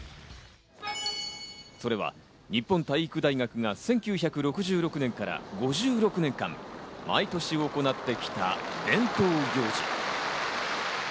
それは日本体育大学が１９６６年から５６年間、毎年行ってきた伝統行事。